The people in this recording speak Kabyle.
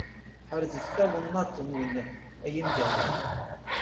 Ḥerzet tawennaṭ-nwen ay imdanen!